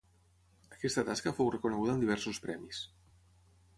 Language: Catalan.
Aquesta tasca fou reconeguda amb diversos premis.